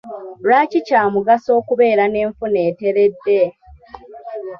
Lwaki kya mugaso okubeera n'enfuna eteredde?